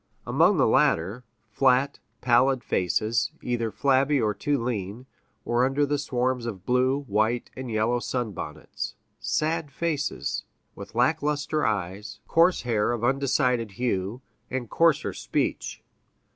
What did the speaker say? Among the latter, flat, pallid faces, either flabby or too lean, were under the swarms of blue, white, and yellow sunbonnets sad faces, with lack luster eyes, coarse hair of undecided hue, and coarser speech.